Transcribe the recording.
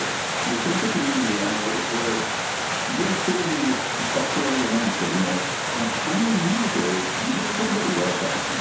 そのときに、前総理の比較するわけじゃないんですけれども、紙を見ないで、自分のことばで言われてたんですね。